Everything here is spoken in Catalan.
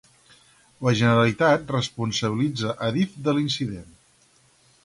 La Generalitat responsabilitza Adif de l'incident.